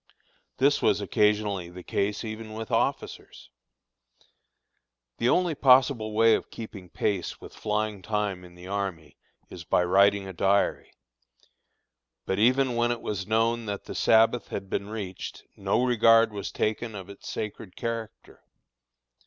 This was occasionally the case even with officers. The only possible way of keeping pace with flying time in the army, is by writing a diary. But even when it was known that the Sabbath had been reached, no regard was taken of its sacred character.